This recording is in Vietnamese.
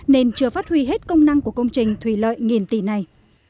nên chưa phát huy hết công năng của công trình thủy lợi nghìn tỷ này